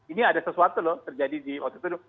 ini ada sesuatu loh terjadi di waktu itu